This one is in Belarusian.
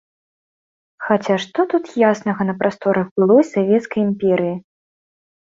Хаця што тут яснага на прасторах былой савецкай імперыі?